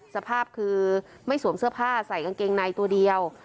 สภาพคือไม่สวมเสื้อผ้าใส่กางเกงในตัวเดียว